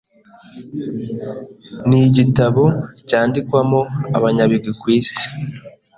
ni igitabo cyandikwamo abanyabigwi ku Isi,